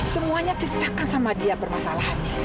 semuanya ceritakan sama dia bermasalahan